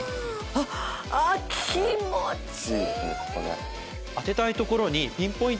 ああ気持ちいい！